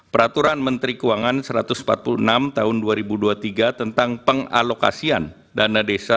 peraturan menteri keuangan satu ratus empat puluh enam tahun dua ribu dua puluh tiga tentang pengalokasian dana desa